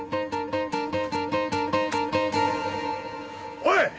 おい！